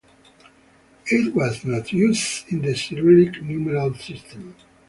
It was not used in the Cyrillic numeral system.